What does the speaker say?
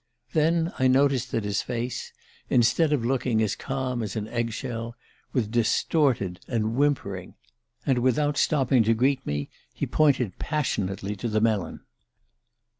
Then I noticed that his face, instead of looking as calm as an egg shell, was distorted and whimpering and without stopping to greet me he pointed passionately to the melon.